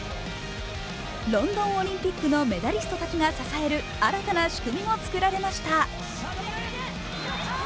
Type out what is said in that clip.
ロンドンオリピックのメダリストたちが支える新たな仕組みも作られました。